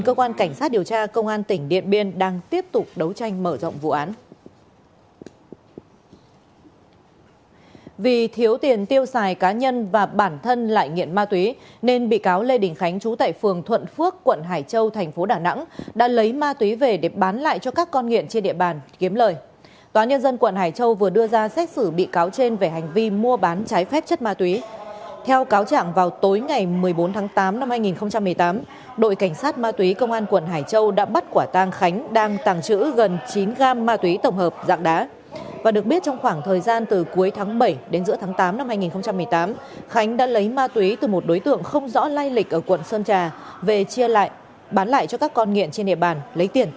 cảnh sát điều tra công an tỉnh đắk lắc cho biết vừa khởi tố bắt tạm giam đối tượng yngwek mờ lô